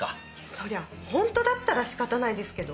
そりゃ本当だったら仕方ないですけど。